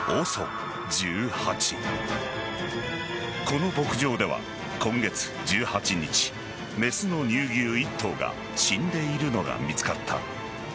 この牧場では今月１８日メスの乳牛１頭が死んでいるのが見つかった。